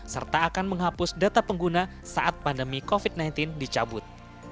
serta akan menghapus data pengguna saat pandemi covid sembilan belas dicabut